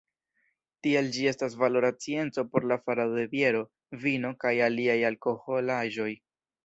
Tial ĝi estas valora scienco por la farado de biero, vino, kaj aliaj alkoholaĵoj.